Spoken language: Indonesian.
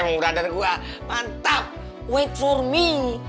emang udara gue mantap wait for me